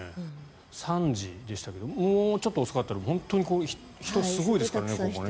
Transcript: ３時でしたけどもうちょっと遅かったら人、すごいですからね。